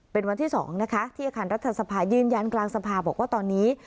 เป็นวันที่๒นะคะที่อาคารรัฐสภายืนยันกลางสภาบอกว่าตอนนี้